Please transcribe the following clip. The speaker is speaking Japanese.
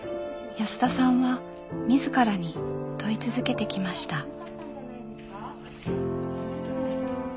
安田さんは自らに問い続けてきました。